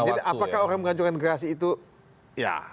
apakah orang mengajukan gerasi itu ya